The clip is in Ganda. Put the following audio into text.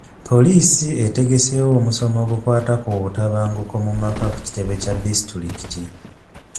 Poliisi etegeseewo omusomo ogukwata ku butabanguko mu maka ku kitebe kya disitulikiti.